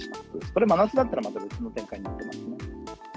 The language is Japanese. これ真夏だったら、また別の展開になってますね。